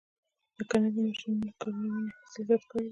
د کرنیزو ماشینونو کارونې حاصل زیات کړی دی.